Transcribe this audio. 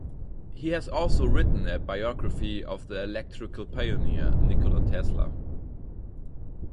He has also written a biography of the electrical pioneer, Nikola Tesla.